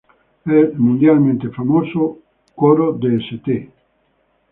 El mundialmente famoso Coro de St.